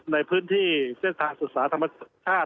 ในพื้นที่เส้นทางศึกษาธรรมชาติ